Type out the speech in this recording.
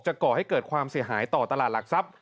ก่อให้เกิดความเสียหายต่อตลาดหลักทรัพย์